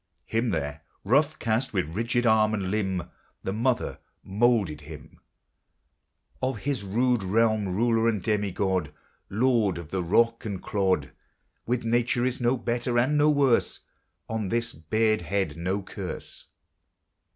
Him, there, rough cast, with rigid arm and limb, The Mother moulded him, Of his rude realm ruler and demigod, Lord of the rock and clod. With Nature is no "better" and no "worse," On this bared head no curse.